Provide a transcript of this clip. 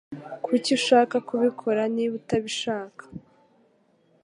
Kuki ushaka kubikora niba utabishaka